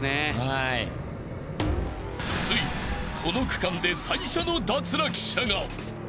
［ついにこの区間で最初の脱落者が］